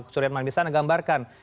suriatman bisa anda gambarkan